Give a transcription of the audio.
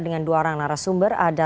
kan pak jokowi juga